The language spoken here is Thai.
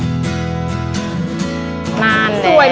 พี่ดาขายดอกบัวมาตั้งแต่อายุ๑๐กว่าขวบ